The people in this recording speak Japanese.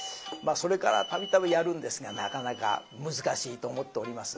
それから度々やるんですがなかなか難しいと思っております。